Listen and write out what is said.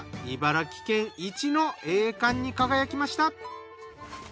茨城県一の栄冠に輝きました。